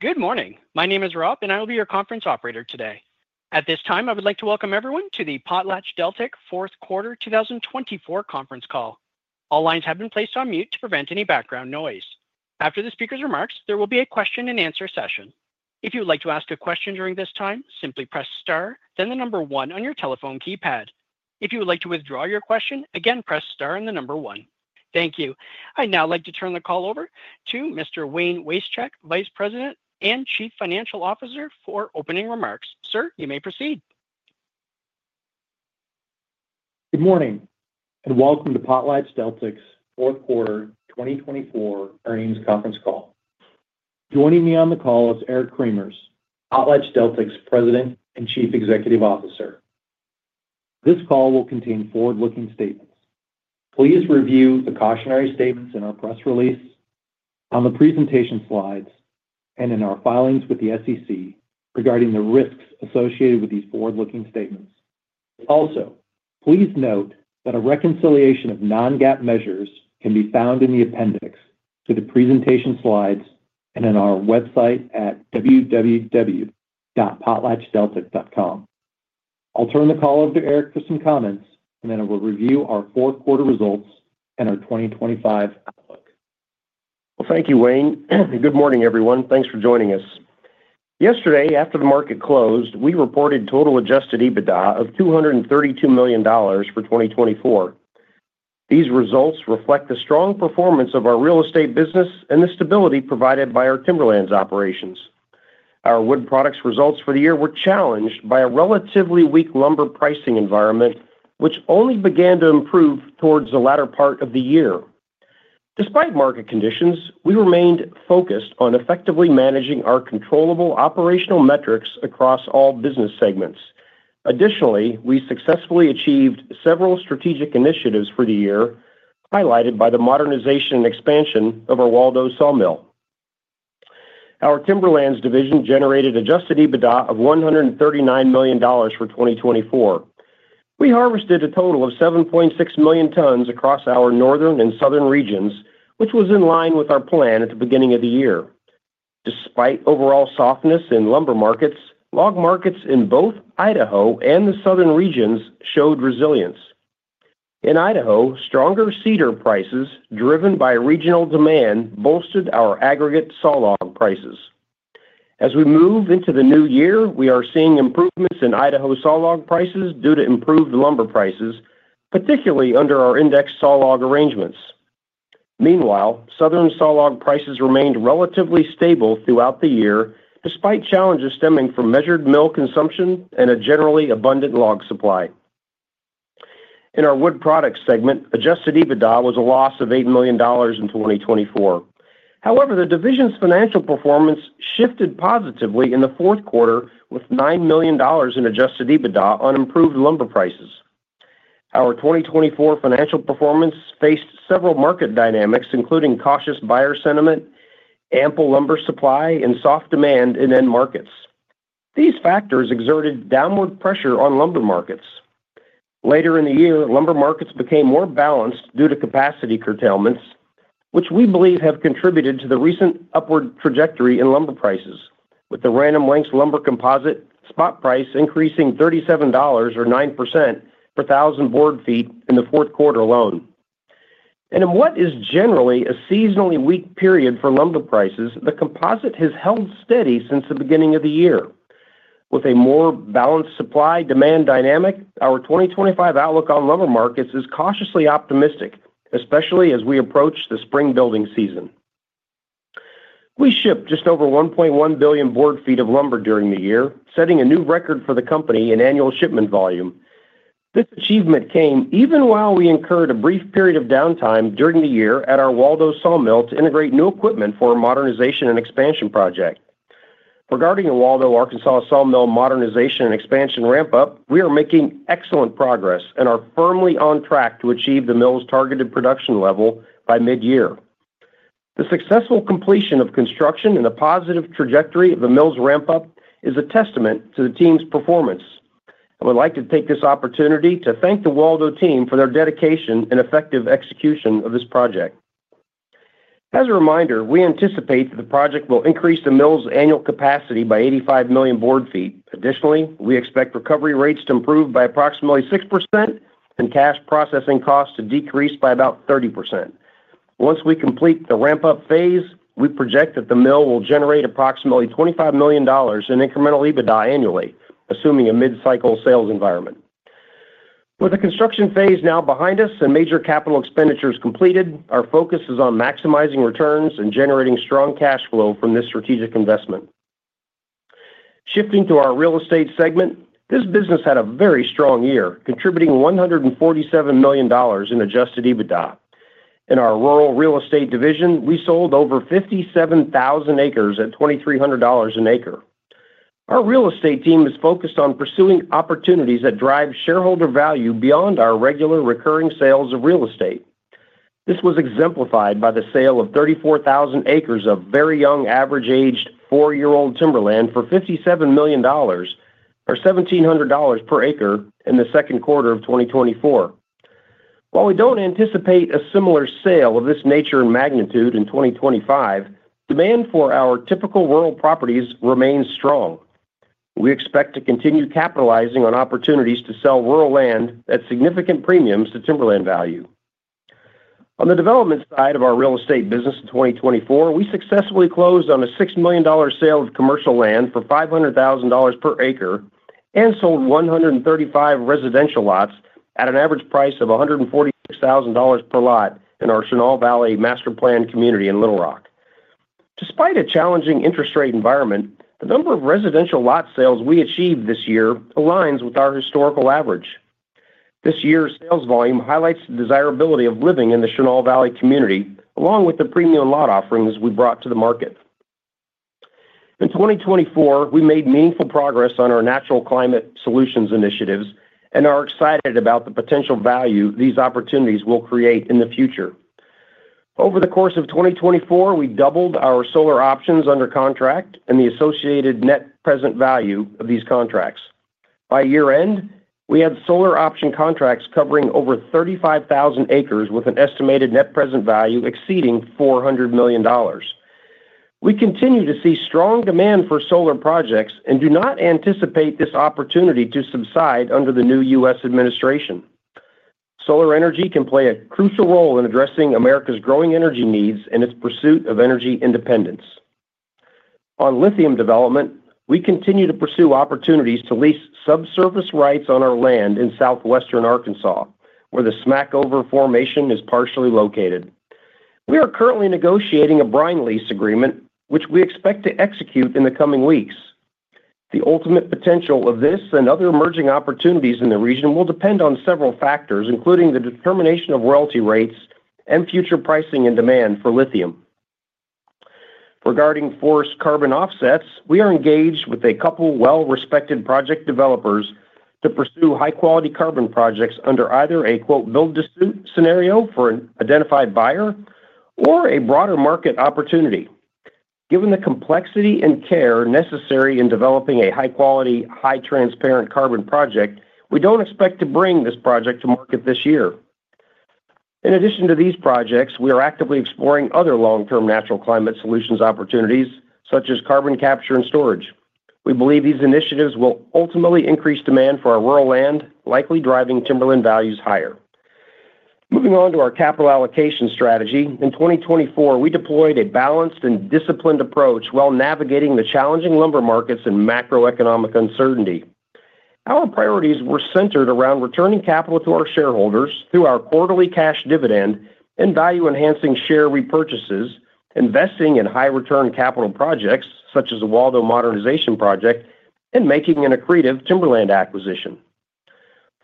Good morning. My name is Rob, and I will be your conference operator today. At this time, I would like to welcome everyone to the PotlatchDeltic 4th Quarter 2024 Conference Call. All lines have been placed on mute to prevent any background noise. After the speaker's remarks, there will be a question-and-answer session. If you would like to ask a question during this time, simply press star, then the number one on your telephone keypad. If you would like to withdraw your question, again press star and the number one. Thank you. I'd now like to turn the call over to Mr. Wayne Wasechek, Vice President and Chief Financial Officer for opening remarks. Sir, you may proceed. Good morning and welcome to PotlatchDeltic's 4th Quarter 2024 earnings conference call. Joining me on the call is Eric Cremers, PotlatchDeltic's President and Chief Executive Officer. This call will contain forward-looking statements. Please review the cautionary statements in our press release, on the presentation slides, and in our filings with the SEC regarding the risks associated with these forward-looking statements. Also, please note that a reconciliation of non-GAAP measures can be found in the appendix to the presentation slides and on our website at www.potlatchdeltic.com. I'll turn the call over to Eric for some comments, and then we'll review our fourth quarter results and our 2025 outlook. Thank you, Wayne. Good morning, everyone. Thanks for joining us. Yesterday, after the market closed, we reported total adjusted EBITDA of $232 million for 2024. These results reflect the strong performance of our real estate business and the stability provided by our Timberlands operations. Our wood products' results for the year were challenged by a relatively weak lumber pricing environment, which only began to improve towards the latter part of the year. Despite market conditions, we remained focused on effectively managing our controllable operational metrics across all business segments. Additionally, we successfully achieved several strategic initiatives for the year, highlighted by the modernization and expansion of our Waldo sawmill. Our Timberlands division generated adjusted EBITDA of $139 million for 2024. We harvested a total of 7.6 million tons across our northern and southern regions, which was in line with our plan at the beginning of the year. Despite overall softness in lumber markets, log markets in both Idaho and the southern regions showed resilience. In Idaho, stronger cedar prices, driven by regional demand, bolstered our aggregate saw log prices. As we move into the new year, we are seeing improvements in Idaho saw log prices due to improved lumber prices, particularly under our indexed saw log arrangements. Meanwhile, southern saw log prices remained relatively stable throughout the year, despite challenges stemming from measured mill consumption and a generally abundant log supply. In our wood products segment, Adjusted EBITDA was a loss of $8 million in 2024. However, the division's financial performance shifted positively in the fourth quarter, with $9 million in Adjusted EBITDA on improved lumber prices. Our 2024 financial performance faced several market dynamics, including cautious buyer sentiment, ample lumber supply, and soft demand in end markets. These factors exerted downward pressure on lumber markets. Later in the year, lumber markets became more balanced due to capacity curtailments, which we believe have contributed to the recent upward trajectory in lumber prices, with the Random Lengths Lumber Composite spot price increasing $37.09 per thousand board feet in the fourth quarter alone. And in what is generally a seasonally weak period for lumber prices, the composite has held steady since the beginning of the year. With a more balanced supply-demand dynamic, our 2025 outlook on lumber markets is cautiously optimistic, especially as we approach the spring building season. We shipped just over 1.1 billion board feet of lumber during the year, setting a new record for the company in annual shipment volume. This achievement came even while we incurred a brief period of downtime during the year at our Waldo sawmill to integrate new equipment for a modernization and expansion project. Regarding the Waldo, Arkansas sawmill modernization and expansion ramp-up, we are making excellent progress and are firmly on track to achieve the mill's targeted production level by mid-year. The successful completion of construction and the positive trajectory of the mill's ramp-up is a testament to the team's performance. I would like to take this opportunity to thank the Waldo team for their dedication and effective execution of this project. As a reminder, we anticipate that the project will increase the mill's annual capacity by 85 million board feet. Additionally, we expect recovery rates to improve by approximately 6% and cash processing costs to decrease by about 30%. Once we complete the ramp-up phase, we project that the mill will generate approximately $25 million in incremental EBITDA annually, assuming a mid-cycle sales environment. With the construction phase now behind us and major capital expenditures completed, our focus is on maximizing returns and generating strong cash flow from this strategic investment. Shifting to our real estate segment, this business had a very strong year, contributing $147 million in Adjusted EBITDA. In our rural real estate division, we sold over 57,000 acres at $2,300 an acre. Our real estate team is focused on pursuing opportunities that drive shareholder value beyond our regular recurring sales of real estate. This was exemplified by the sale of 34,000 acres of very young average-aged four-year-old timberland for $57 million, or $1,700 per acre, in the second quarter of 2024. While we don't anticipate a similar sale of this nature and magnitude in 2025, demand for our typical rural properties remains strong. We expect to continue capitalizing on opportunities to sell rural land at significant premiums to timberland value. On the development side of our real estate business in 2024, we successfully closed on a $6 million sale of commercial land for $500,000 per acre and sold 135 residential lots at an average price of $146,000 per lot in our Chenal Valley Master-planned Community in Little Rock. Despite a challenging interest rate environment, the number of residential lot sales we achieved this year aligns with our historical average. This year's sales volume highlights the desirability of living in the Chenal Valley community, along with the premium lot offerings we brought to the market. In 2024, we made meaningful progress on our natural climate solutions initiatives and are excited about the potential value these opportunities will create in the future. Over the course of 2024, we doubled our solar options under contract and the associated net present value of these contracts. By year-end, we had solar option contracts covering over 35,000 acres with an estimated net present value exceeding $400 million. We continue to see strong demand for solar projects and do not anticipate this opportunity to subside under the new U.S. administration. Solar energy can play a crucial role in addressing America's growing energy needs and its pursuit of energy independence. On lithium development, we continue to pursue opportunities to lease subsurface rights on our land in southwestern Arkansas, where the Smackover Formation is partially located. We are currently negotiating a brine lease agreement, which we expect to execute in the coming weeks. The ultimate potential of this and other emerging opportunities in the region will depend on several factors, including the determination of royalty rates and future pricing and demand for lithium. Regarding forward carbon offsets, we are engaged with a couple of well-respected project developers to pursue high-quality carbon projects under either a "build-to-suit" scenario for an identified buyer or a broader market opportunity. Given the complexity and care necessary in developing a high-quality, highly transparent carbon project, we don't expect to bring this project to market this year. In addition to these projects, we are actively exploring other long-term natural climate solutions opportunities, such as carbon capture and storage. We believe these initiatives will ultimately increase demand for our rural land, likely driving timberland values higher. Moving on to our capital allocation strategy, in 2024, we deployed a balanced and disciplined approach while navigating the challenging lumber markets and macroeconomic uncertainty. Our priorities were centered around returning capital to our shareholders through our quarterly cash dividend and value-enhancing share repurchases, investing in high-return capital projects such as the Waldo modernization project and making an accretive timberland acquisition.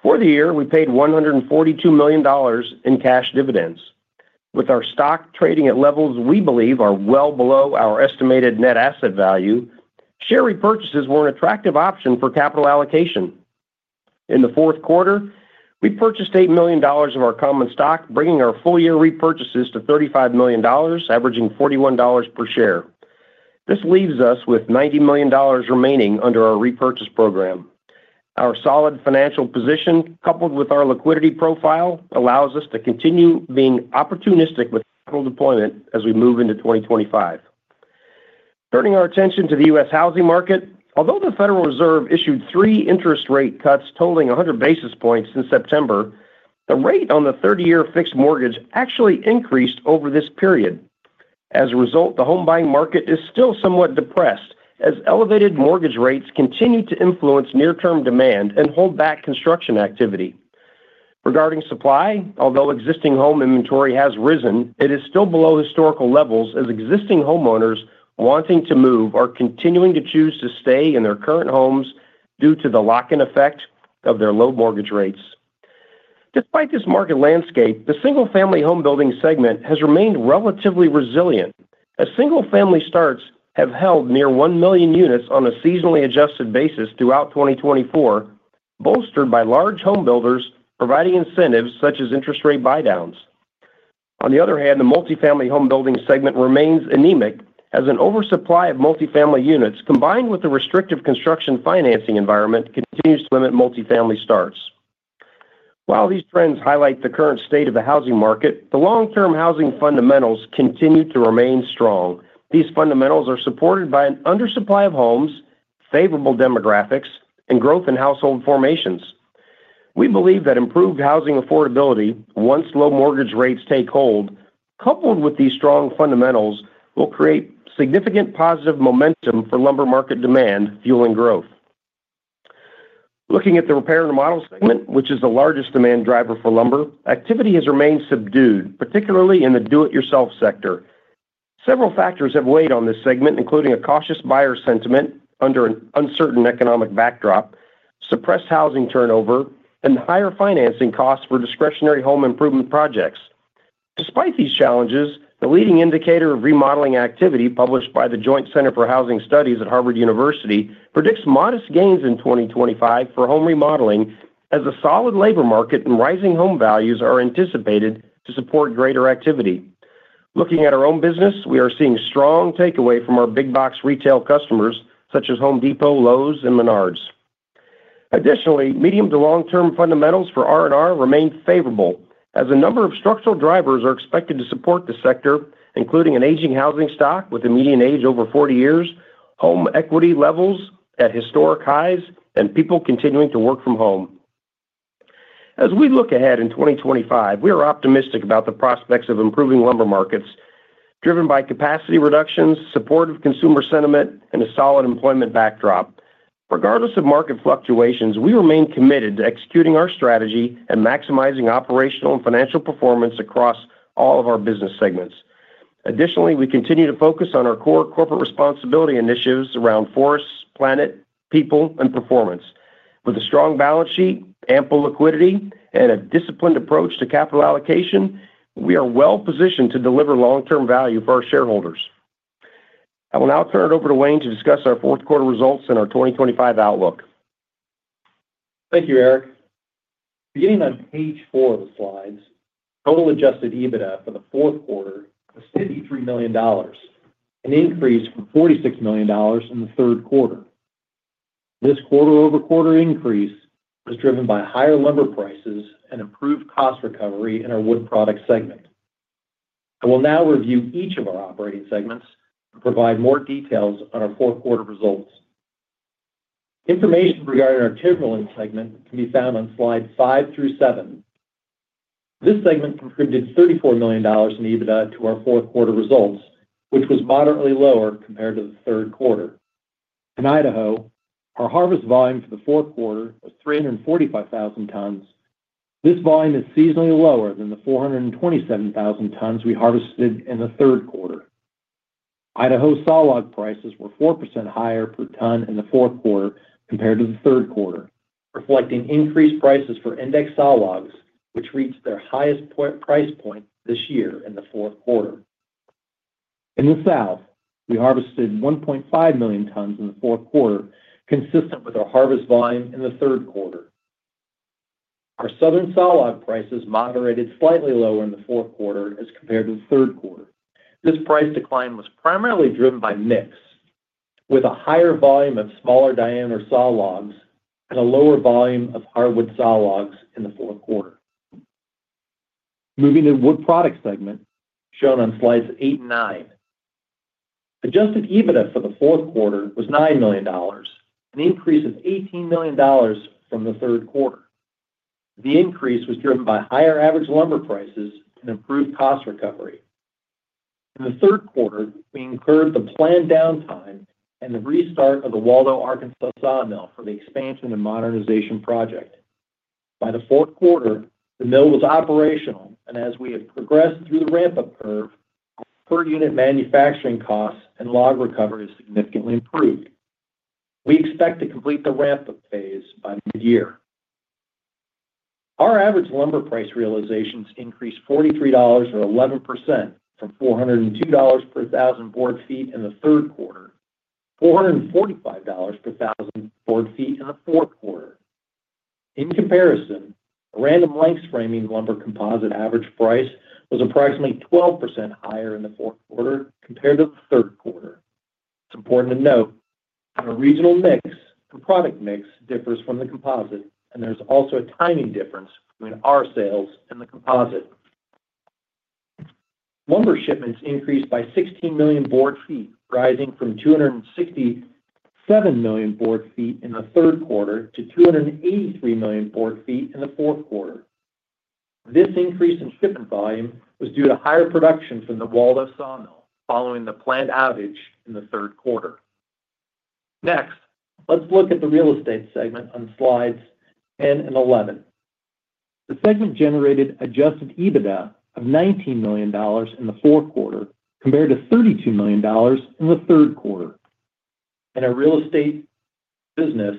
For the year, we paid $142 million in cash dividends. With our stock trading at levels we believe are well below our estimated net asset value, share repurchases were an attractive option for capital allocation. In the fourth quarter, we purchased $8 million of our common stock, bringing our full-year repurchases to $35 million, averaging $41 per share. This leaves us with $90 million remaining under our repurchase program. Our solid financial position, coupled with our liquidity profile, allows us to continue being opportunistic with capital deployment as we move into 2025. Turning our attention to the U.S. Housing market, although the Federal Reserve issued three interest rate cuts totaling 100 basis points in September, the rate on the 30-year fixed mortgage actually increased over this period. As a result, the home buying market is still somewhat depressed as elevated mortgage rates continue to influence near-term demand and hold back construction activity. Regarding supply, although existing home inventory has risen, it is still below historical levels as existing homeowners wanting to move are continuing to choose to stay in their current homes due to the lock-in effect of their low mortgage rates. Despite this market landscape, the single-family home building segment has remained relatively resilient. As single-family starts have held near one million units on a seasonally adjusted basis throughout 2024, bolstered by large homebuilders providing incentives such as interest rate buy-downs. On the other hand, the multi-family home building segment remains anemic as an oversupply of multi-family units, combined with the restrictive construction financing environment, continues to limit multi-family starts. While these trends highlight the current state of the housing market, the long-term housing fundamentals continue to remain strong. These fundamentals are supported by an undersupply of homes, favorable demographics, and growth in household formations. We believe that improved housing affordability, once low mortgage rates take hold, coupled with these strong fundamentals, will create significant positive momentum for lumber market demand, fueling growth. Looking at the repair and remodel segment, which is the largest demand driver for lumber, activity has remained subdued, particularly in the do-it-yourself sector. Several factors have weighed on this segment, including a cautious buyer sentiment under an uncertain economic backdrop, suppressed housing turnover, and higher financing costs for discretionary home improvement projects. Despite these challenges, the leading indicator of remodeling activity, published by the Joint Center for Housing Studies at Harvard University, predicts modest gains in 2025 for home remodeling as a solid labor market and rising home values are anticipated to support greater activity. Looking at our own business, we are seeing strong takeaway from our big-box retail customers such as Home Depot, Lowe's, and Menards. Additionally, medium to long-term fundamentals for R&R remain favorable as a number of structural drivers are expected to support the sector, including an aging housing stock with a median age over 40 years, home equity levels at historic highs, and people continuing to work from home. As we look ahead in 2025, we are optimistic about the prospects of improving lumber markets, driven by capacity reductions, supportive consumer sentiment, and a solid employment backdrop. Regardless of market fluctuations, we remain committed to executing our strategy and maximizing operational and financial performance across all of our business segments. Additionally, we continue to focus on our core corporate responsibility initiatives around forests, planet, people, and performance. With a strong balance sheet, ample liquidity, and a disciplined approach to capital allocation, we are well-positioned to deliver long-term value for our shareholders. I will now turn it over to Wayne to discuss our fourth quarter results and our 2025 outlook. Thank you, Eric. Beginning on page four of the slides, total Adjusted EBITDA for the fourth quarter exceeded $3 million, an increase from $46 million in the third quarter. This quarter-over-quarter increase was driven by higher lumber prices and improved cost recovery in our wood product segment. I will now review each of our operating segments and provide more details on our fourth quarter results. Information regarding our Timberland segment can be found on slides five through seven. This segment contributed $34 million in EBITDA to our fourth quarter results, which was moderately lower compared to the third quarter. In Idaho, our harvest volume for the fourth quarter was 345,000 tons. This volume is seasonally lower than the 427,000 tons we harvested in the third quarter. Idaho saw log prices were 4% higher per ton in the fourth quarter compared to the third quarter, reflecting increased prices for index saw logs, which reached their highest price point this year in the fourth quarter. In the south, we harvested 1.5 million tons in the fourth quarter, consistent with our harvest volume in the third quarter. Our southern saw log prices moderated slightly lower in the fourth quarter as compared to the third quarter. This price decline was primarily driven by mix, with a higher volume of smaller diameter saw logs and a lower volume of hardwood saw logs in the fourth quarter. Moving to the wood product segment, shown on slides eight and nine, Adjusted EBITDA for the fourth quarter was $9 million, an increase of $18 million from the third quarter. The increase was driven by higher average lumber prices and improved cost recovery. In the third quarter, we incurred the planned downtime and the restart of the Waldo, Arkansas sawmill for the expansion and modernization project. By the fourth quarter, the mill was operational, and as we have progressed through the ramp-up curve, per-unit manufacturing costs and log recovery significantly improved. We expect to complete the ramp-up phase by mid-year. Our average lumber price realizations increased $43 or 11% from $402 per 1,000 board feet in the third quarter to $445 per 1,000 board feet in the fourth quarter. In comparison, a Random Lengths Framing Lumber Composite average price was approximately 12% higher in the fourth quarter compared to the third quarter. It's important to note that our regional mix and product mix differs from the composite, and there's also a timing difference between our sales and the composite. Lumber shipments increased by 16 million board feet, rising from 267 million board feet in the third quarter to 283 million board feet in the fourth quarter. This increase in shipment volume was due to higher production from the Waldo sawmill following the planned outage in the third quarter. Next, let's look at the real estate segment on slides 10 and 11. The segment generated Adjusted EBITDA of $19 million in the fourth quarter compared to $32 million in the third quarter. In our real estate business,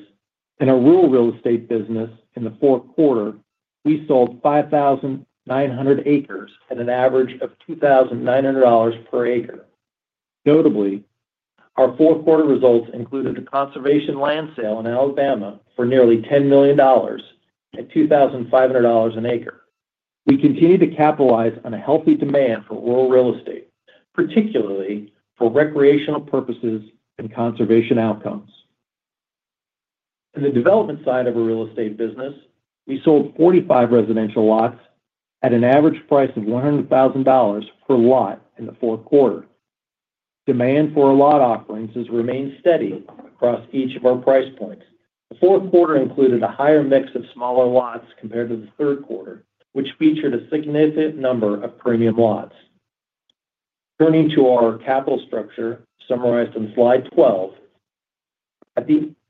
in our rural real estate business in the fourth quarter, we sold 5,900 acres at an average of $2,900 per acre. Notably, our fourth quarter results included a conservation land sale in Alabama for nearly $10 million at $2,500 an acre. We continue to capitalize on a healthy demand for rural real estate, particularly for recreational purposes and conservation outcomes. In the development side of our real estate business, we sold 45 residential lots at an average price of $100,000 per lot in the fourth quarter. Demand for our lot offerings has remained steady across each of our price points. The fourth quarter included a higher mix of smaller lots compared to the third quarter, which featured a significant number of premium lots. Turning to our capital structure summarized on slide 12,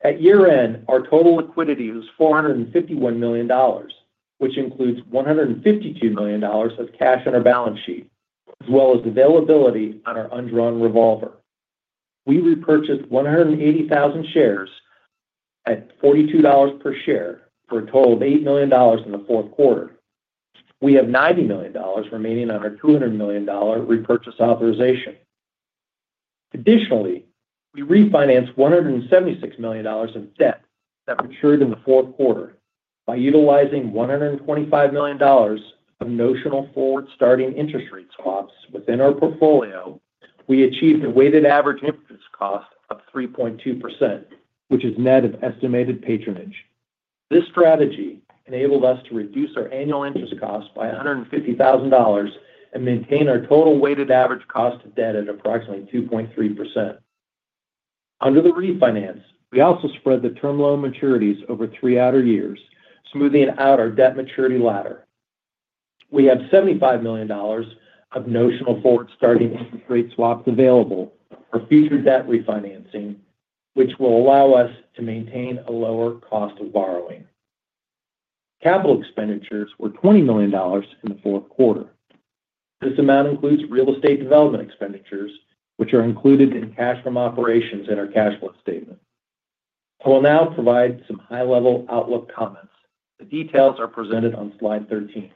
at year-end, our total liquidity was $451 million, which includes $152 million of cash on our balance sheet, as well as availability on our underwritten revolver. We repurchased 180,000 shares at $42 per share for a total of $8 million in the fourth quarter. We have $90 million remaining on our $200 million repurchase authorization. Additionally, we refinanced $176 million of debt that matured in the fourth quarter. By utilizing $125 million of notional forward-starting interest rate swaps within our portfolio, we achieved a weighted average interest cost of 3.2%, which is net of estimated patronage. This strategy enabled us to reduce our annual interest cost by $150,000 and maintain our total weighted average cost of debt at approximately 2.3%. Under the refinance, we also spread the term loan maturities over three outer years, smoothing out our debt maturity ladder. We have $75 million of notional forward-starting interest rate swaps available for future debt refinancing, which will allow us to maintain a lower cost of borrowing. Capital expenditures were $20 million in the fourth quarter. This amount includes real estate development expenditures, which are included in cash from operations in our cash flow statement. I will now provide some high-level outlook comments. The details are presented on slide 13.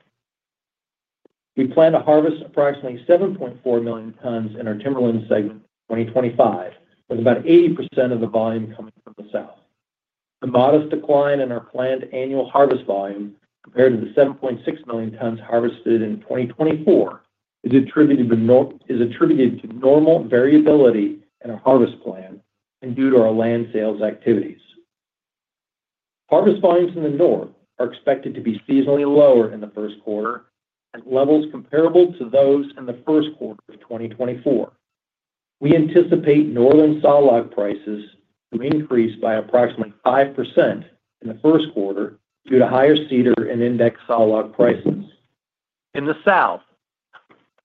We plan to harvest approximately 7.4 million tons in our Timberland segment in 2025, with about 80% of the volume coming from the south. A modest decline in our planned annual harvest volume compared to the 7.6 million tons harvested in 2024 is attributed to normal variability in our harvest plan and due to our land sales activities. Harvest volumes in the north are expected to be seasonally lower in the first quarter at levels comparable to those in the first quarter of 2024. We anticipate northern saw log prices to increase by approximately 5% in the first quarter due to higher cedar and index saw log prices. In the south,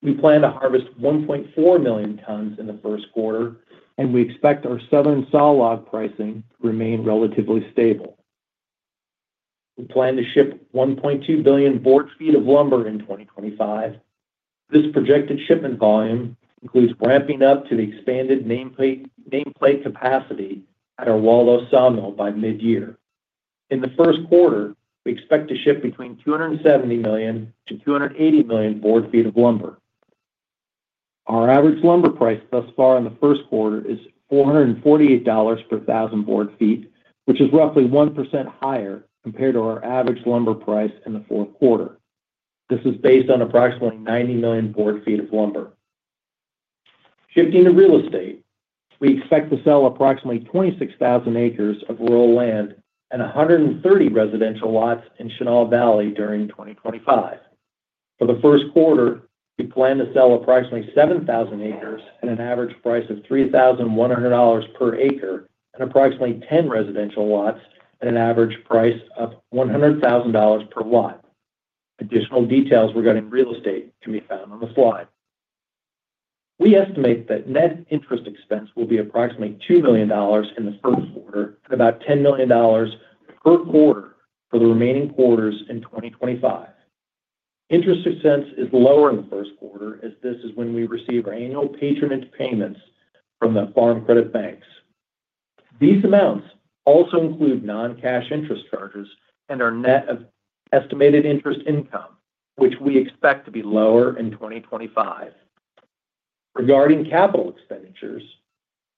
we plan to harvest 1.4 million tons in the first quarter, and we expect our southern saw log pricing to remain relatively stable. We plan to ship 1.2 billion board feet of lumber in 2025. This projected shipment volume includes ramping up to the expanded nameplate capacity at our Waldo sawmill by mid-year. In the first quarter, we expect to ship between 270 million-280 million board feet of lumber. Our average lumber price thus far in the first quarter is $448 per 1,000 board feet, which is roughly 1% higher compared to our average lumber price in the fourth quarter. This is based on approximately 90 million board feet of lumber. Shifting to real estate, we expect to sell approximately 26,000 acres of rural land and 130 residential lots in Chenal Valley during 2025. For the first quarter, we plan to sell approximately 7,000 acres at an average price of $3,100 per acre and approximately 10 residential lots at an average price of $100,000 per lot. Additional details regarding real estate can be found on the slide. We estimate that net interest expense will be approximately $2 million in the first quarter and about $10 million per quarter for the remaining quarters in 2025. Interest expense is lower in the first quarter, as this is when we receive our annual patronage payments from the Farm Credit Banks. These amounts also include non-cash interest charges and our net estimated interest income, which we expect to be lower in 2025. Regarding capital expenditures,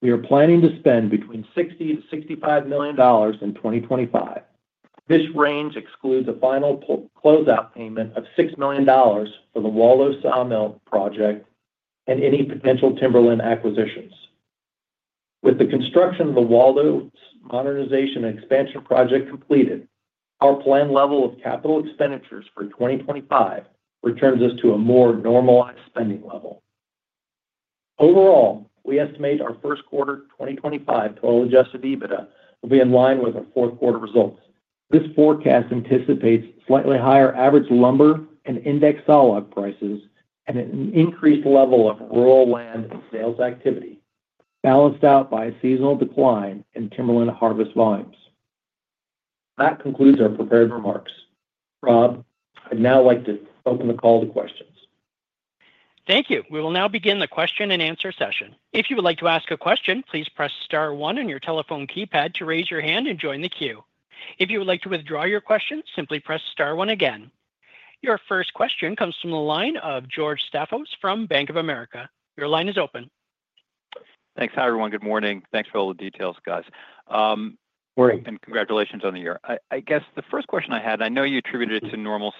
we are planning to spend between $60 million-$65 million in 2025. This range excludes a final closeout payment of $6 million for the Waldo sawmill project and any potential timberland acquisitions. With the construction of the Waldo modernization and expansion project completed, our planned level of capital expenditures for 2025 returns us to a more normalized spending level. Overall, we estimate our first quarter 2025 total Adjusted EBITDA will be in line with our fourth quarter results. This forecast anticipates slightly higher average lumber and index saw log prices and an increased level of rural land sales activity, balanced out by a seasonal decline in timberland harvest volumes. That concludes our prepared remarks. Rob, I'd now like to open the call to questions. Thank you. We will now begin the question and answer session. If you would like to ask a question, please press star one on your telephone keypad to raise your hand and join the queue. If you would like to withdraw your question, simply press star one again. Your first question comes from the line of George Staphos from Bank of America. Your line is open. Thanks. Hi, everyone. Good morning. Thanks for all the details, guys. Morning and congratulations on the year. I guess the first question I had, and I know you attributed it to normal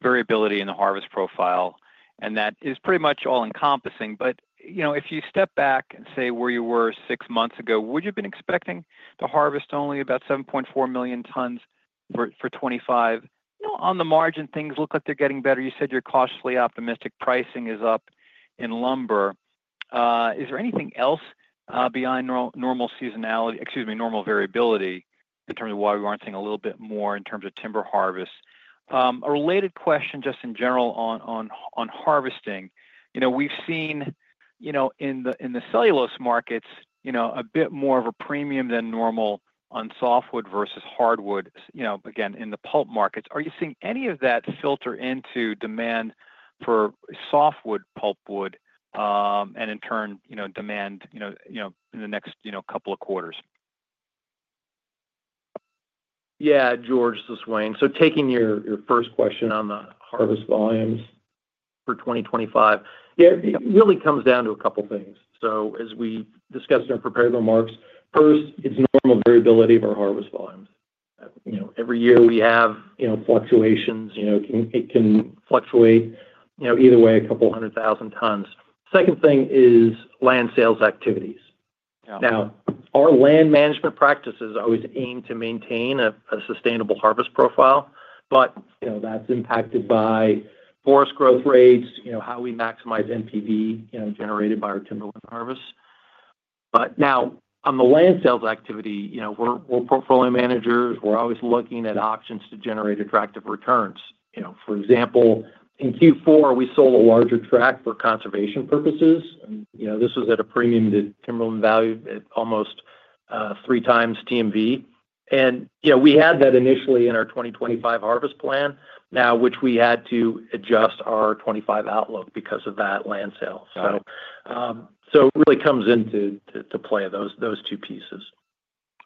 variability in the harvest profile, and that is pretty much all-encompassing. But if you step back and say where you were six months ago, would you have been expecting to harvest only about 7.4 million tons for 2025? On the margin, things look like they're getting better. You said you're cautiously optimistic pricing is up in lumber. Is there anything else beyond normal seasonality, excuse me, normal variability, in terms of why we weren't seeing a little bit more in terms of timber harvest? A related question just in general on harvesting. We've seen in the cellulose markets a bit more of a premium than normal on softwood versus hardwood, again, in the pulp markets. Are you seeing any of that filter into demand for softwood, pulpwood, and in turn, demand in the next couple of quarters? Yeah, George. This way. So taking your first question on the harvest volumes for 2025, yeah, it really comes down to a couple of things. So as we discussed in our prepared remarks, first, it's normal variability of our harvest volumes. Every year we have fluctuations. It can fluctuate either way, a couple of hundred thousand tons. Second thing is land sales activities. Now, our land management practices always aim to maintain a sustainable harvest profile, but that's impacted by forest growth rates, how we maximize NPV generated by our Timberland harvest. But now, on the land sales activity, we're portfolio managers. We're always looking at options to generate attractive returns. For example, in Q4, we sold a larger tract for conservation purposes. This was at a premium to Timberland value at almost three times TMV. We had that initially in our 2025 harvest plan, now which we had to adjust our 2025 outlook because of that land sale. So it really comes into play, those two pieces.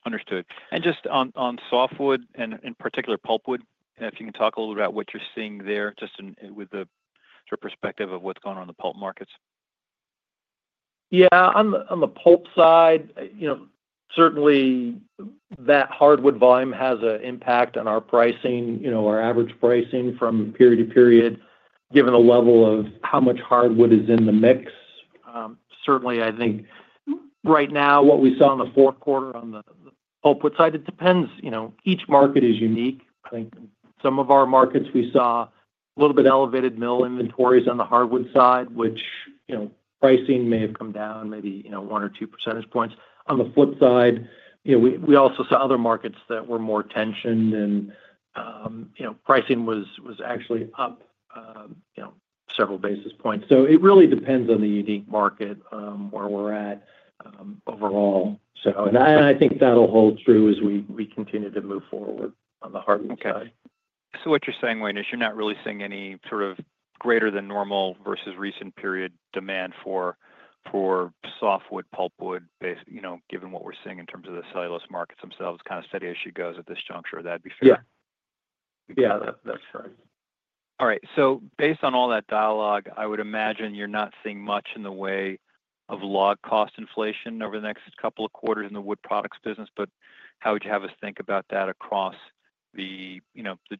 Understood. Just on softwood and in particular pulpwood, if you can talk a little about what you're seeing there just with the perspective of what's going on in the pulp markets. Yeah. On the pulp side, certainly that hardwood volume has an impact on our pricing, our average pricing from period to period, given the level of how much hardwood is in the mix. Certainly, I think right now what we saw in the fourth quarter on the pulpwood side, it depends. Each market is unique. I think some of our markets we saw a little bit elevated mill inventories on the hardwood side, which pricing may have come down maybe 1 percentage points or 2 percentage points. On the flip side, we also saw other markets that were more tensioned, and pricing was actually up several basis points, so it really depends on the unique market where we're at overall, and I think that'll hold true as we continue to move forward on the hardwood side, So what you're saying, Wayne, is you're not really seeing any sort of greater than normal versus recent period demand for softwood, pulpwood, given what we're seeing in terms of the cellulose markets themselves, kind of steady as she goes at this juncture. That'd be fair. Yeah. Yeah, that's correct. All right, so based on all that dialogue, I would imagine you're not seeing much in the way of log cost inflation over the next couple of quarters in the wood products business, but how would you have us think about that across the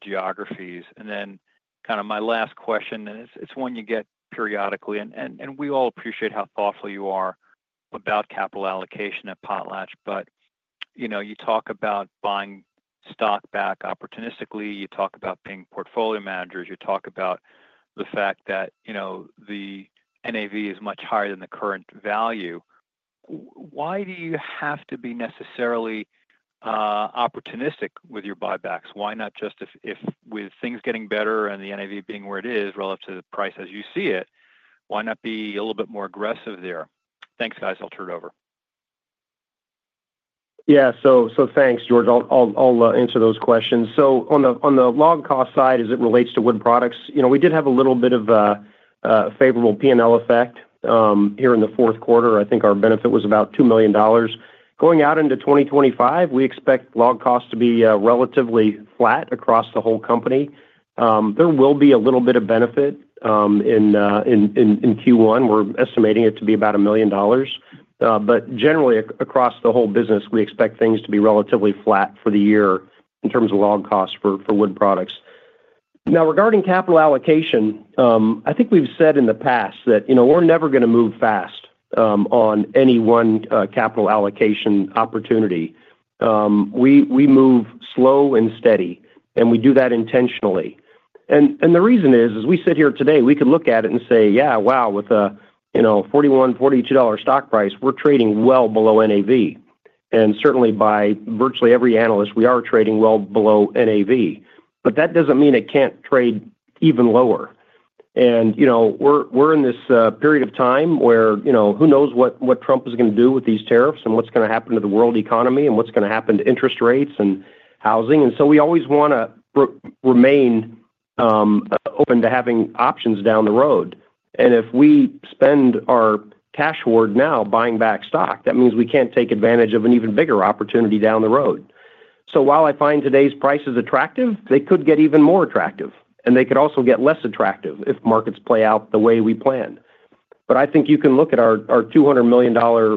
geographies? And then, kind of my last question, and it's one you get periodically, and we all appreciate how thoughtful you are about capital allocation at Potlatch, but you talk about buying stock back opportunistically. You talk about being portfolio managers. You talk about the fact that the NAV is much higher than the current value. Why do you have to be necessarily opportunistic with your buybacks? Why not just if with things getting better and the NAV being where it is relative to the price as you see it, why not be a little bit more aggressive there? Thanks, guys. I'll turn it over. Yeah. So thanks, George. I'll answer those questions. So on the log cost side, as it relates to wood products, we did have a little bit of a favorable P&L effect here in the fourth quarter. I think our benefit was about $2 million. Going out into 2025, we expect log costs to be relatively flat across the whole company. There will be a little bit of benefit in Q1. We're estimating it to be about $1 million. But generally, across the whole business, we expect things to be relatively flat for the year in terms of log costs for wood products. Now, regarding capital allocation, I think we've said in the past that we're never going to move fast on any one capital allocation opportunity. We move slow and steady, and we do that intentionally. And the reason is, as we sit here today, we could look at it and say, "Yeah, wow, with a $41-$42 stock price, we're trading well below NAV." And certainly, by virtually every analyst, we are trading well below NAV. But that doesn't mean it can't trade even lower. We're in this period of time where who knows what Trump is going to do with these tariffs and what's going to happen to the world economy and what's going to happen to interest rates and housing. So we always want to remain open to having options down the road. If we spend our cash hoard now buying back stock, that means we can't take advantage of an even bigger opportunity down the road. While I find today's prices attractive, they could get even more attractive, and they could also get less attractive if markets play out the way we plan. I think you can look at our $200 million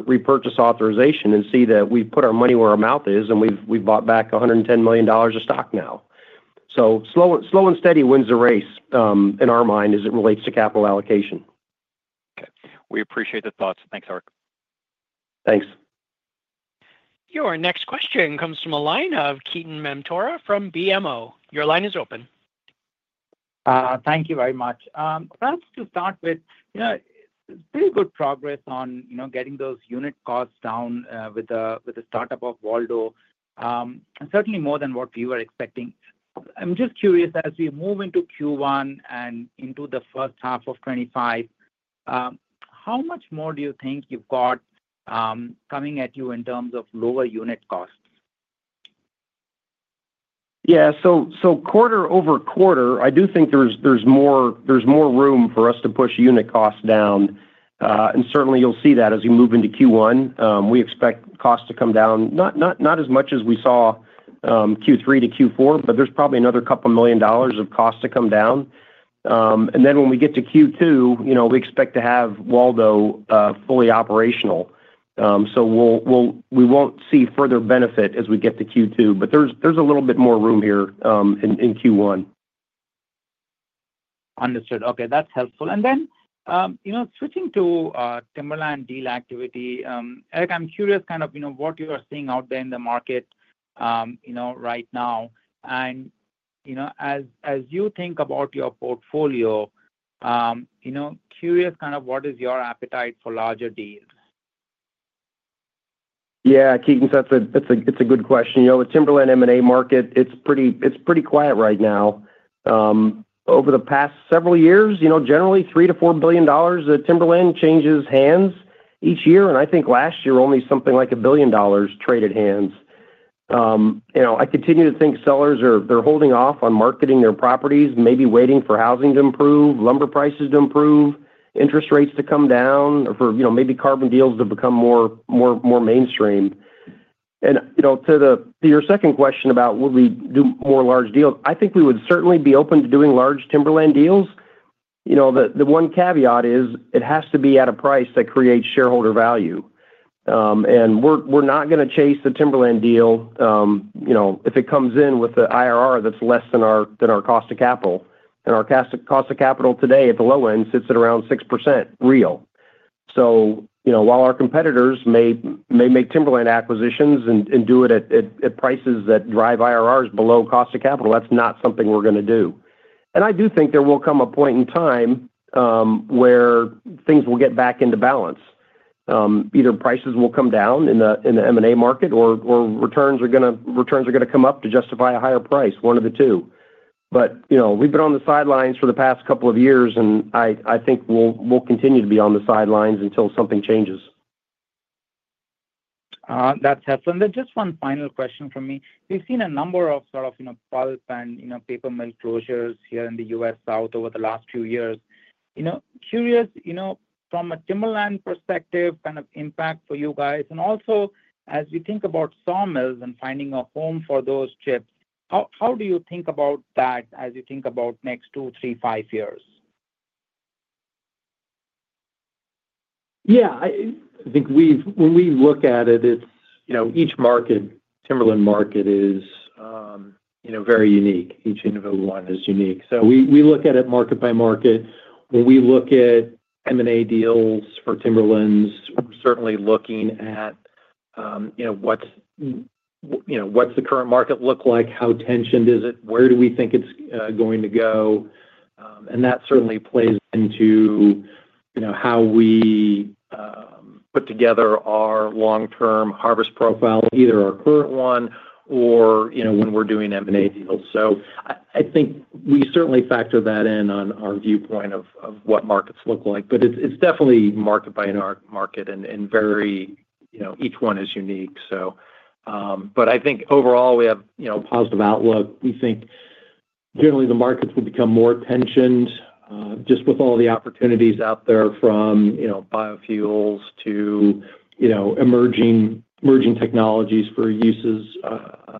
repurchase authorization and see that we've put our money where our mouth is, and we've bought back $110 million of stock now. So slow and steady wins the race in our mind as it relates to capital allocation. Okay. We appreciate the thoughts. Thanks, Eric. Thanks. Your next question comes from Ketan Mamtora from BMO. Your line is open. Thank you very much. Perhaps to start with, there's been good progress on getting those unit costs down with the startup of Waldo, certainly more than what we were expecting. I'm just curious, as we move into Q1 and into the first half of 2025, how much more do you think you've got coming at you in terms of lower unit costs? Yeah. So quarter over quarter, I do think there's more room for us to push unit costs down. And certainly, you'll see that as we move into Q1. We expect costs to come down, not as much as we saw Q3 to Q4, but there's probably another couple of million dollars of cost to come down. And then when we get to Q2, we expect to have Waldo fully operational. So we won't see further benefit as we get to Q2, but there's a little bit more room here in Q1. Understood. Okay. That's helpful. And then switching to timberland deal activity, Eric, I'm curious kind of what you are seeing out there in the market right now. And as you think about your portfolio, curious kind of what is your appetite for larger deals? Yeah. Ketan, it's a good question. With timberland M&A market, it's pretty quiet right now. Over the past several years, generally $3 billion-$4 billion of timberland changes hands each year. I think last year, only something like $1 billion traded hands. I continue to think sellers. They're holding off on marketing their properties, maybe waiting for housing to improve, lumber prices to improve, interest rates to come down, or for maybe carbon deals to become more mainstream. To your second question about will we do more large deals, I think we would certainly be open to doing large timberland deals. The one caveat is it has to be at a price that creates shareholder value. We're not going to chase the timberland deal if it comes in with an IRR that's less than our cost of capital. Our cost of capital today at the low end sits at around 6% real. So while our competitors may make timberland acquisitions and do it at prices that drive IRRs below cost of capital, that's not something we're going to do. And I do think there will come a point in time where things will get back into balance. Either prices will come down in the M&A market or returns are going to come up to justify a higher price, one of the two. But we've been on the sidelines for the past couple of years, and I think we'll continue to be on the sidelines until something changes. That's helpful. And then just one final question from me. We've seen a number of sort of pulp and paper mill closures here in the U.S. South over the last few years. Curious, from a timberland perspective, kind of impact for you guys. And also, as we think about sawmills and finding a home for those chips, how do you think about that as you think about next two, three, five years? Yeah. I think when we look at it, each market, timberland market, is very unique. Each individual one is unique. So we look at it market by market. When we look at M&A deals for timberlands, we're certainly looking at what's the current market look like, how tense is it, where do we think it's going to go. And that certainly plays into how we put together our long-term harvest profile, either our current one or when we're doing M&A deals. So I think we certainly factor that in on our viewpoint of what markets look like. But it's definitely market by market, and each one is unique. But I think overall, we have a positive outlook. We think generally the markets will become more tensioned just with all the opportunities out there from biofuels to emerging technologies for uses of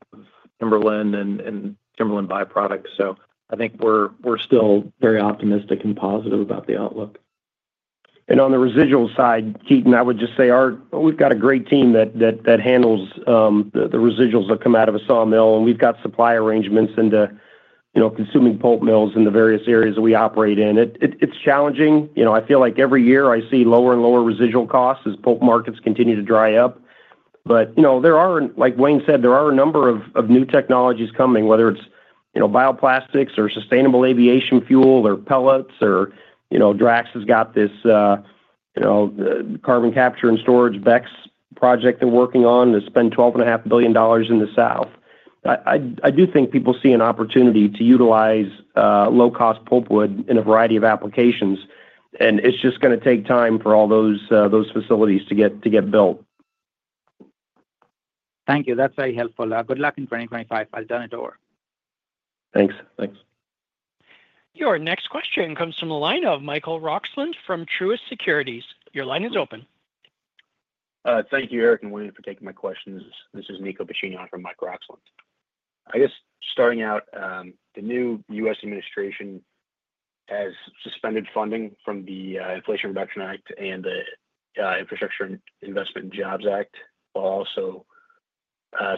timberland and timberland byproducts. So I think we're still very optimistic and positive about the outlook. And on the residual side, Ketan, I would just say we've got a great team that handles the residuals that come out of a sawmill, and we've got supply arrangements into consuming pulp mills in the various areas that we operate in. It's challenging. I feel like every year I see lower and lower residual costs as pulp markets continue to dry up. But like Wayne said, there are a number of new technologies coming, whether it's bioplastics or sustainable aviation fuel or pellets. Or Drax has got this carbon capture and storage BECCS project they're working on to spend $12.5 billion in the South. I do think people see an opportunity to utilize low-cost pulpwood in a variety of applications, and it's just going to take time for all those facilities to get built. Thank you. That's very helpful. Good luck in 2025. I'll turn it over. Thanks. Thanks. Your next question comes from the line of Mike Roxland from Truist Securities. Your line is open. Thank you, Eric and Wayne, for taking my questions. This is Nico Piccini for Mike Roxland. I guess starting out, the new U.S. administration has suspended funding from the Inflation Reduction Act and the Infrastructure Investment and Jobs Act, while also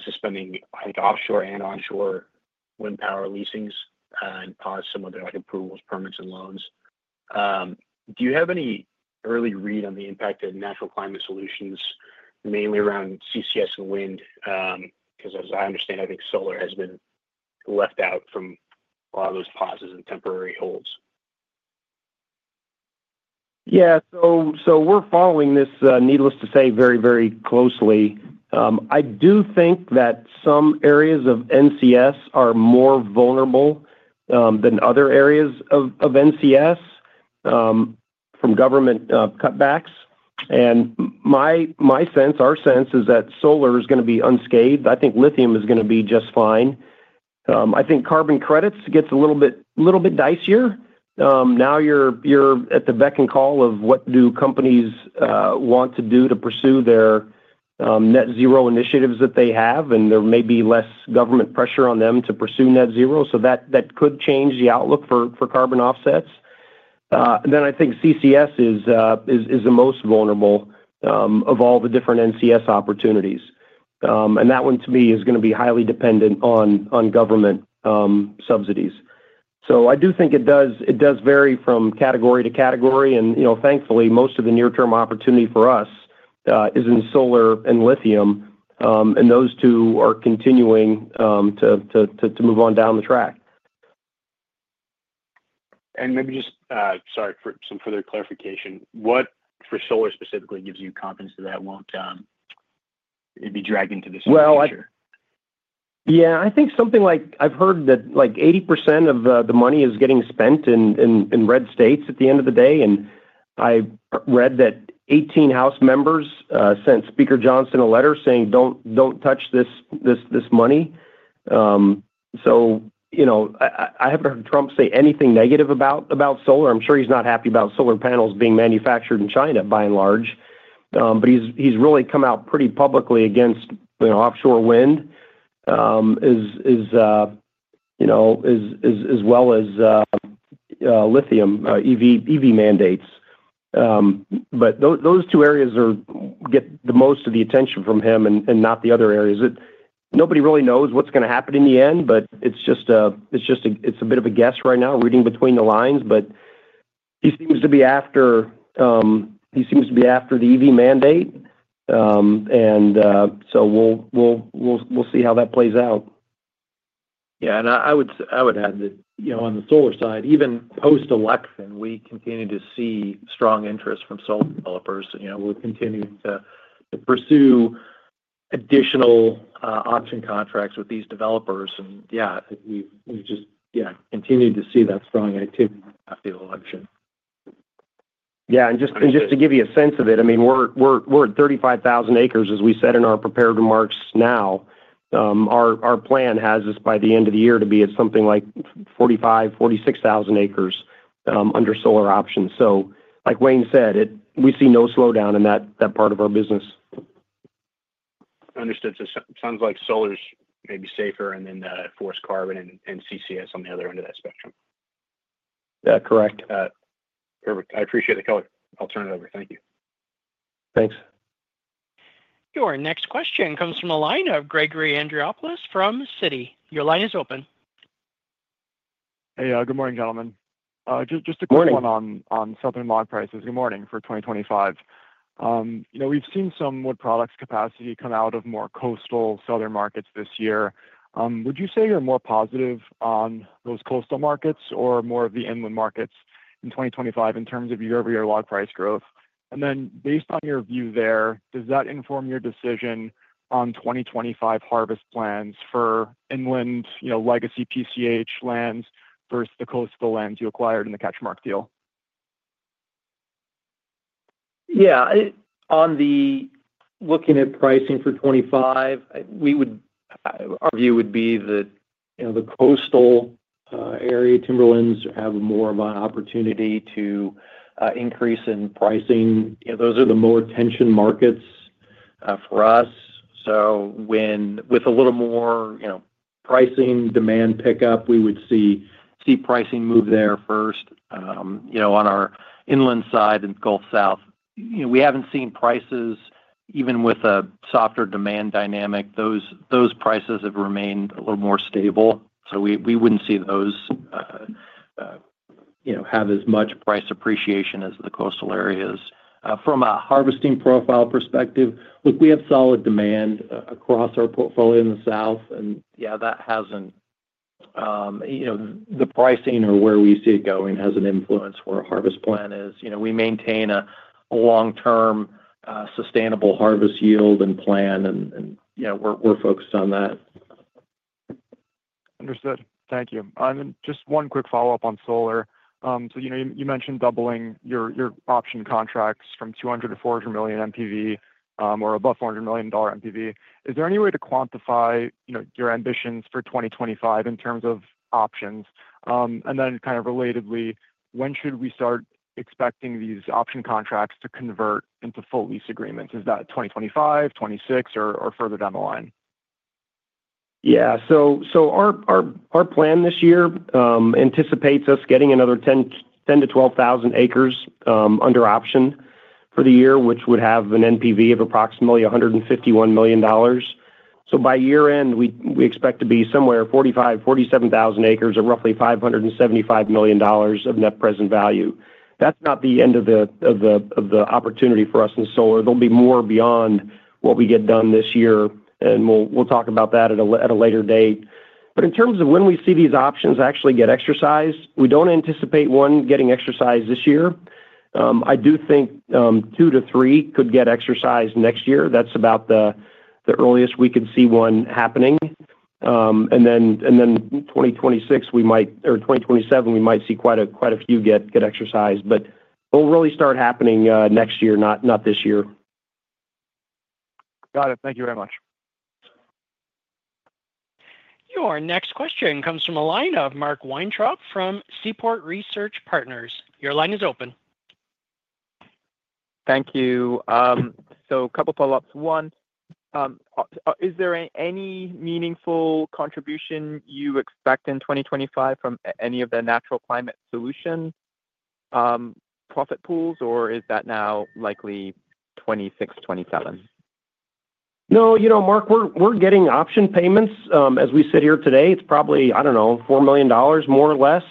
suspending, I think, offshore and onshore wind power leasing and paused some of their approvals, permits, and loans. Do you have any early read on the impact of natural climate solutions, mainly around CCS and wind? Because as I understand, I think solar has been left out from a lot of those pauses and temporary holds. Yeah. So we're following this, needless to say, very, very closely. I do think that some areas of NCS are more vulnerable than other areas of NCS from government cutbacks. And my sense, our sense is that solar is going to be unscathed. I think lithium is going to be just fine. I think carbon credits gets a little bit dicier. Now you're at the beck and call of what do companies want to do to pursue their net zero initiatives that they have, and there may be less government pressure on them to pursue net zero. So that could change the outlook for carbon offsets. Then I think CCS is the most vulnerable of all the different NCS opportunities. That one, to me, is going to be highly dependent on government subsidies. So I do think it does vary from category to category. And thankfully, most of the near-term opportunity for us is in solar and lithium, and those two are continuing to move on down the track. And maybe just, sorry, for some further clarification, what for solar specifically gives you confidence that that won't be dragged into the subsidy? Well, yeah. I think something like I've heard that 80% of the money is getting spent in red states at the end of the day. And I read that 18 House members sent Speaker Johnson a letter saying, "Don't touch this money." So I haven't heard Trump say anything negative about solar. I'm sure he's not happy about solar panels being manufactured in China, by and large. But he's really come out pretty publicly against offshore wind as well as lithium EV mandates. But those two areas get the most of the attention from him and not the other areas. Nobody really knows what's going to happen in the end, but it's just a bit of a guess right now, reading between the lines. But he seems to be after the EV mandate. And so we'll see how that plays out. Yeah. And I would add that on the solar side, even post-election, we continue to see strong interest from solar developers. We're continuing to pursue additional option contracts with these developers. And yeah, we've just continued to see that strong activity after the election. Yeah. And just to give you a sense of it, I mean, we're at 35,000 acres, as we said in our prepared remarks now. Our plan has us by the end of the year to be at something like 45,000 acres, 46,000 acres under solar options. So like Wayne said, we see no slowdown in that part of our business. Understood. So it sounds like solar's maybe safer and then forest carbon and CCS on the other end of that spectrum. Yeah. Correct. Perfect. I appreciate the color. I'll turn it over. Thank you. Thanks. Your next question comes from the line of Gregory Andreopoulos from Citi. Your line is open. Hey. Good morning, gentlemen. Just a quick one on southern lumber prices going into 2025. We've seen some wood products capacity come out of more coastal southern markets this year. Would you say you're more positive on those coastal markets or more of the inland markets in 2025 in terms of year-over-year log price growth? Then based on your view there, does that inform your decision on 2025 harvest plans for inland legacy PCH lands versus the coastal lands you acquired in the CatchMark deal? Yeah. On the looking at pricing for 2025, our view would be the coastal area timberlands have more of an opportunity to increase in pricing. Those are the more tension markets for us. So with a little more pricing demand pickup, we would see pricing move there first on our inland side and Gulf South. We haven't seen prices, even with a softer demand dynamic. Those prices have remained a little more stable. So we wouldn't see those have as much price appreciation as the coastal areas. From a harvesting profile perspective, look, we have solid demand across our portfolio in the South. Yeah, that has the pricing or where we see it going has an influence where our harvest plan is. We maintain a long-term sustainable harvest yield and plan, and we're focused on that. Understood. Thank you. Then just one quick follow-up on solar. So you mentioned doubling your option contracts from 200 million NPV-400 million NPV or above $400 million NPV. Is there any way to quantify your ambitions for 2025 in terms of options? And then kind of relatedly, when should we start expecting these option contracts to convert into full lease agreements? Is that 2025, 2026, or further down the line? Yeah. So our plan this year anticipates us getting another 10,000 acres-12,000 acres under option for the year, which would have an NPV of approximately $151 million. So by year-end, we expect to be somewhere 45,000 acres-47,000 acres or roughly $575 million of net present value. That's not the end of the opportunity for us in solar. There'll be more beyond what we get done this year, and we'll talk about that at a later date. But in terms of when we see these options actually get exercised, we don't anticipate one getting exercised this year. I do think two to three could get exercised next year. That's about the earliest we could see one happening. And then 2026 or 2027, we might see quite a few get exercised. But they'll really start happening next year, not this year. Got it. Thank you very much. Your next question comes from the line of Mark Weintraub from Seaport Research Partners. Your line is open. Thank you. So a couple of follow-ups. One, is there any meaningful contribution you expect in 2025 from any of the natural climate solution profit pools, or is that now likely 2026, 2027? No, Mark, we're getting option payments as we sit here today. It's probably, I don't know, $4 million, more or less,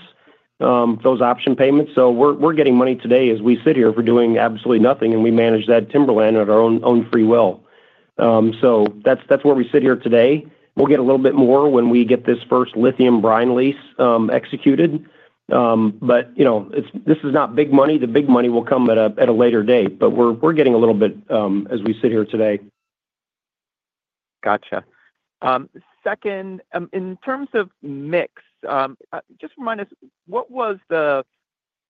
those option payments. So we're getting money today as we sit here. We're doing absolutely nothing, and we manage that Timberland at our own free will. So that's where we sit here today. We'll get a little bit more when we get this first lithium brine lease executed. But this is not big money. The big money will come at a later date. But we're getting a little bit as we sit here today. Gotcha. Second, in terms of mix, just remind us, what was the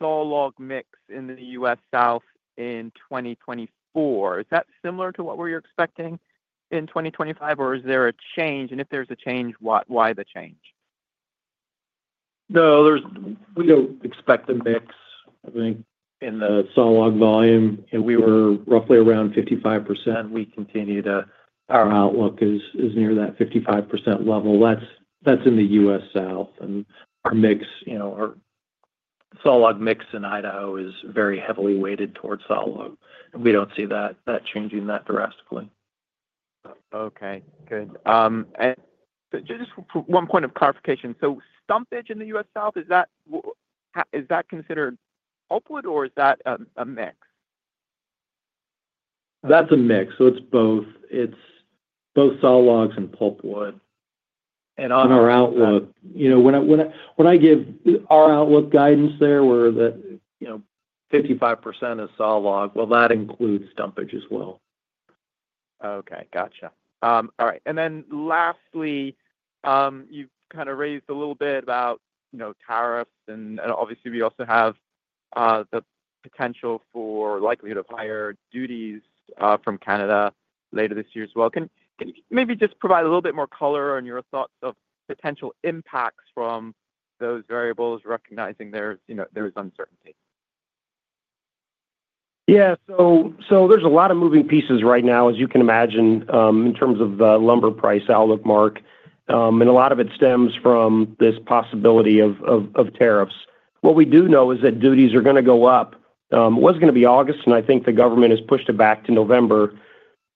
saw log mix in the U.S. South in 2024? Is that similar to what we were expecting in 2025, or is there a change? And if there's a change, why the change? No, we don't expect a mix. I think in the saw log volume, we were roughly around 55%. We continue to our outlook is near that 55% level. That's in the U.S. South. And our saw log mix in Idaho is very heavily weighted towards saw log. We don't see that changing that drastically. Okay. Good. And just one point of clarification. So stumpage in the U.S. South, is that considered pulpwood, or is that a mix? That's a mix. So it's both saw logs and pulpwood. And our outlook, when I give our outlook guidance there where 55% is saw log, well, that includes stumpage as well. Okay. Gotcha. All right. And then lastly, you've kind of raised a little bit about tariffs. And obviously, we also have the potential for likelihood of higher duties from Canada later this year as well. Can you maybe just provide a little bit more color on your thoughts of potential impacts from those variables, recognizing there is uncertainty? Yeah. So there's a lot of moving pieces right now, as you can imagine, in terms of the lumber price outlook, Mark. And a lot of it stems from this possibility of tariffs. What we do know is that duties are going to go up. It was going to be August, and I think the government has pushed it back to November.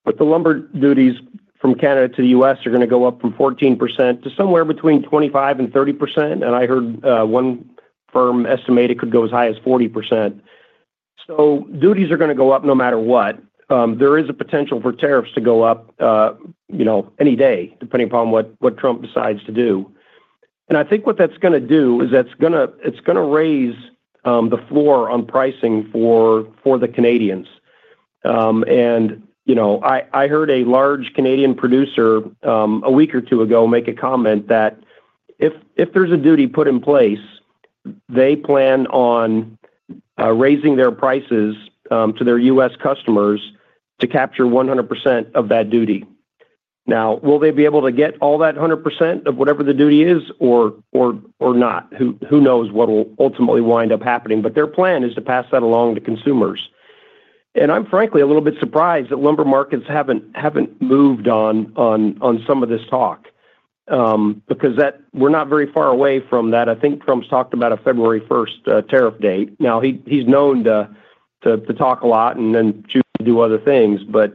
But the lumber duties from Canada to the U.S. are going to go up from 14% to somewhere between 25%-30%. And I heard one firm estimate it could go as high as 40%. So duties are going to go up no matter what. There is a potential for tariffs to go up any day, depending upon what Trump decides to do. And I think what that's going to do is that's going to raise the floor on pricing for the Canadians. And I heard a large Canadian producer a week or two ago make a comment that if there's a duty put in place, they plan on raising their prices to their U.S. customers to capture 100% of that duty. Now, will they be able to get all that 100% of whatever the duty is or not? Who knows what will ultimately wind up happening? But their plan is to pass that along to consumers. And I'm frankly a little bit surprised that lumber markets haven't moved on some of this talk because we're not very far away from that. I think Trump's talked about a February 1st tariff date. Now, he's known to talk a lot and then choose to do other things. But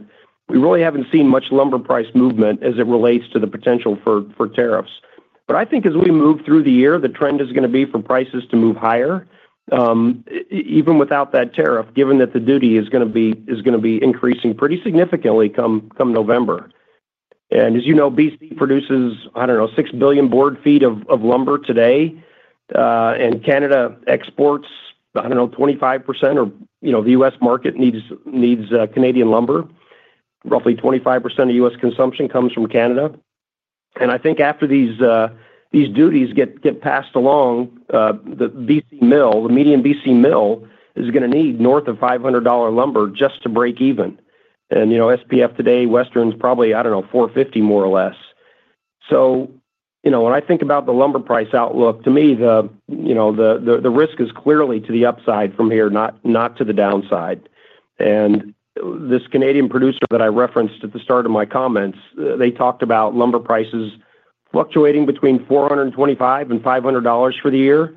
we really haven't seen much lumber price movement as it relates to the potential for tariffs. But I think as we move through the year, the trend is going to be for prices to move higher, even without that tariff, given that the duty is going to be increasing pretty significantly come November. And as you know, BC produces, I don't know, 6 billion board feet of lumber today. And Canada exports, I don't know, 25% or the U.S. market needs Canadian lumber. Roughly 25% of U.S. consumption comes from Canada. And I think after these duties get passed along, the median BC mill is going to need north of $500 lumber just to break even. And SPF today, Western's probably, I don't know, $450 more or less. So when I think about the lumber price outlook, to me, the risk is clearly to the upside from here, not to the downside. And this Canadian producer that I referenced at the start of my comments, they talked about lumber prices fluctuating between $425 and $500 for the year.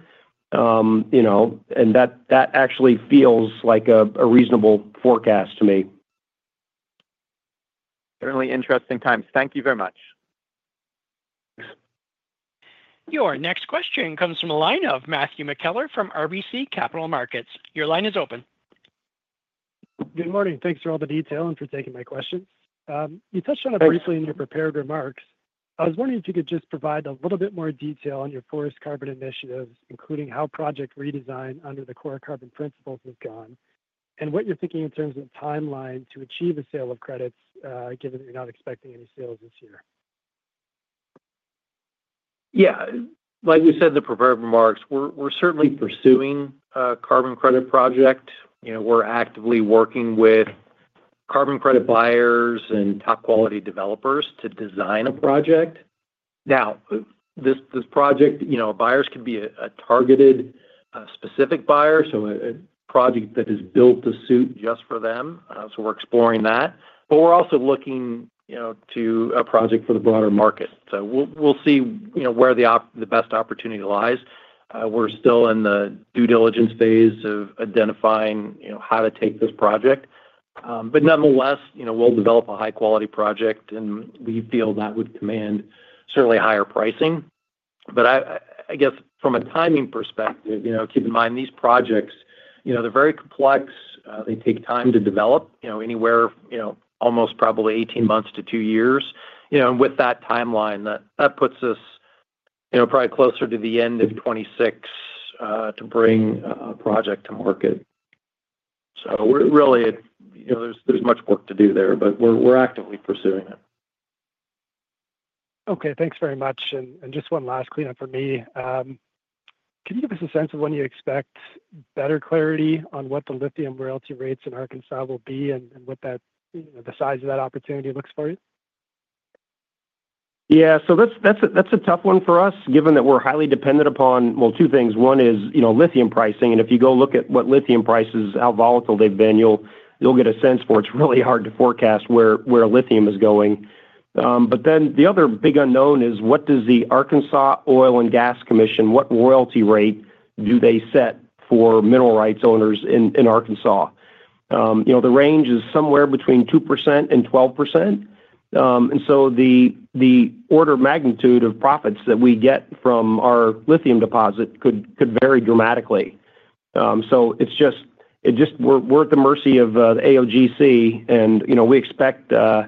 And that actually feels like a reasonable forecast to me. Certainly interesting times. Thank you very much. Your next question comes from the line of Matthew McKellar from RBC Capital Markets. Your line is open. Good morning. Thanks for all the detail and for taking my questions. You touched on it briefly in your prepared remarks. I was wondering if you could just provide a little bit more detail on your forest carbon initiatives, including how project redesign under the Core Carbon Principles has gone and what you're thinking in terms of timeline to achieve a sale of credits, given that you're not expecting any sales this year. Yeah. Like we said in the prepared remarks, we're certainly pursuing a carbon credit project. We're actively working with carbon credit buyers and top-quality developers to design a project. Now, this project, buyers can be a targeted specific buyer, so a project that is built to suit just for them. So we're exploring that. But we're also looking to a project for the broader market. So we'll see where the best opportunity lies. We're still in the due diligence phase of identifying how to take this project. But nonetheless, we'll develop a high-quality project, and we feel that would command certainly higher pricing. But I guess from a timing perspective, keep in mind these projects, they're very complex. They take time to develop, anywhere almost probably 18 months to two years. And with that timeline, that puts us probably closer to the end of 2026 to bring a project to market. So really, there's much work to do there, but we're actively pursuing it. Okay. Thanks very much. And just one last cleanup for me. Can you give us a sense of when you expect better clarity on what the lithium royalty rates in Arkansas will be and what the size of that opportunity looks for you? Yeah. So that's a tough one for us, given that we're highly dependent upon, well, two things. One is lithium pricing. If you go look at what lithium prices, how volatile they've been, you'll get a sense for it's really hard to forecast where lithium is going. Then the other big unknown is what does the Arkansas Oil and Gas Commission, what royalty rate do they set for mineral rights owners in Arkansas? The range is somewhere between 2% and 12%. The order of magnitude of profits that we get from our lithium deposit could vary dramatically. It's just we're at the mercy of the AOGC, and we expect they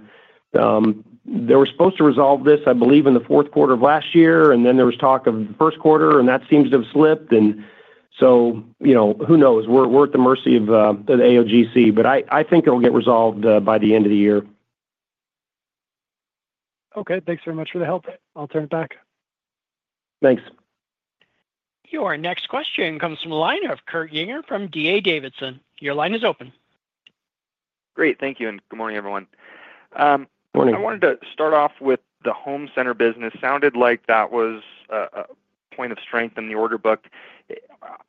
were supposed to resolve this, I believe, in the fourth quarter of last year. Then there was talk of the first quarter, and that seems to have slipped. Who knows? We're at the mercy of the AOGC. I think it'll get resolved by the end of the year. Okay. Thanks very much for the help. I'll turn it back. Thanks. Your next question comes from the line of Kurt Yinger from DA Davidson. Your line is open. Great. Thank you, and good morning, everyone. I wanted to start off with the home center business. Sounded like that was a point of strength in the order book.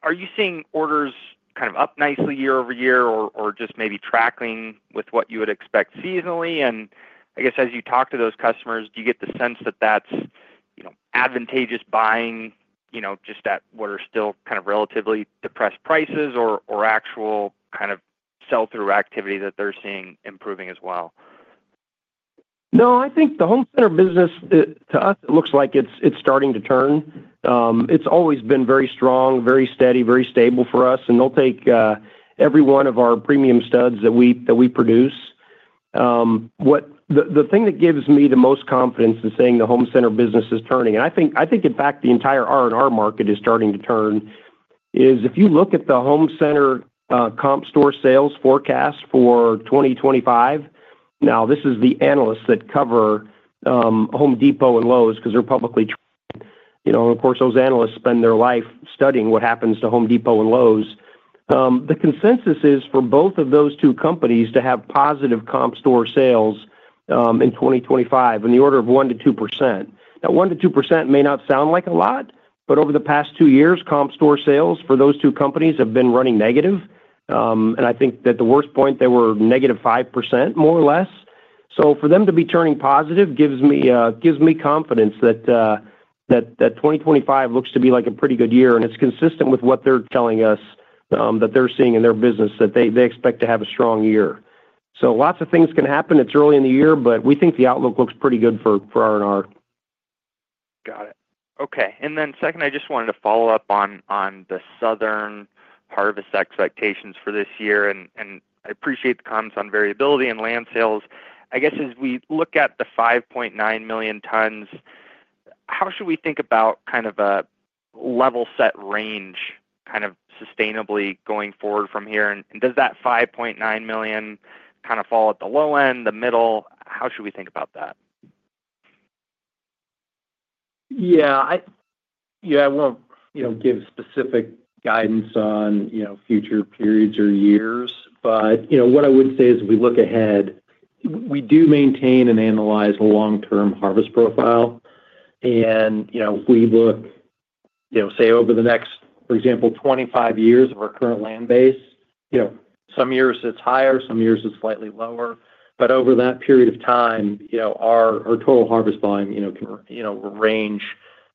Are you seeing orders kind of up nicely year over year or just maybe tracking with what you would expect seasonally? And I guess as you talk to those customers, do you get the sense that that's advantageous buying just at what are still kind of relatively depressed prices or actual kind of sell-through activity that they're seeing improving as well? No, I think the home center business, to us, it looks like it's starting to turn. It's always been very strong, very steady, very stable for us. They'll take every one of our premium studs that we produce. The thing that gives me the most confidence in saying the home center business is turning, and I think, in fact, the entire R&R market is starting to turn, is if you look at the home center comp store sales forecast for 2025. Now, this is the analysts that cover Home Depot and Lowe's because they're publicly traded. And of course, those analysts spend their life studying what happens to Home Depot and Lowe's. The consensus is for both of those two companies to have positive comp store sales in 2025 in the order of 1%-2%. Now, 1%-2% may not sound like a lot, but over the past two years, comp store sales for those two companies have been running negative. I think that the worst point, they were negative 5%, more or less. For them to be turning positive gives me confidence that 2025 looks to be like a pretty good year. It's consistent with what they're telling us that they expect to have a strong year. Lots of things can happen. It's early in the year, but we think the outlook looks pretty good for R&R. Got it. Okay. Then second, I just wanted to follow up on the southern harvest expectations for this year. I appreciate the comments on variability and land sales. I guess as we look at the 5.9 million tons, how should we think about kind of a level-set range kind of sustainably going forward from here? Does that 5.9 million tons kind of fall at the low end, the middle? How should we think about that? Yeah. Yeah. I won't give specific guidance on future periods or years. But what I would say is we look ahead. We do maintain and analyze a long-term harvest profile. And if we look, say, over the next, for example, 25 years of our current land base, some years it's higher, some years it's slightly lower. But over that period of time, our total harvest volume can range,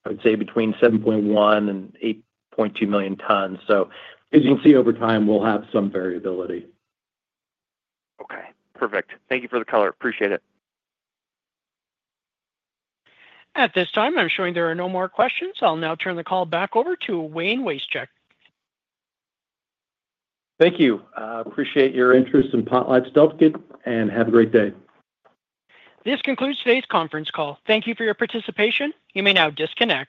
I would say, between 7.1 million tons and 8.2 million tons. So as you can see, over time, we'll have some variability. Okay. Perfect. Thank you for the color. Appreciate it. At this time, I'm showing there are no more questions. I'll now turn the call back over to Wayne Wasechek. Thank you. Appreciate your interest in PotlatchDeltic and have a great day. This concludes today's conference call. Thank you for your participation. You may now disconnect.